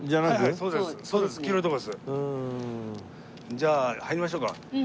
じゃあ入りましょうか。